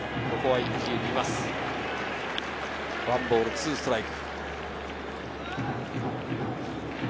１ボール２ストライク。